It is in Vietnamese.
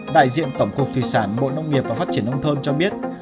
đại diện tổng cục thủy sản bộ nông nghiệp và phát triển nông thôn cho biết